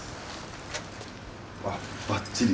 あっばっちり。